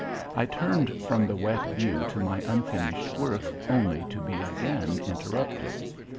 I turned from the wet view to my unfinished work only to be again interrupted.